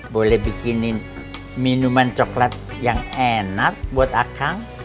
boleh bikinin minuman coklat yang enak buat akang